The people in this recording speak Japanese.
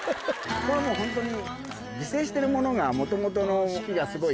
ここはもうホントに。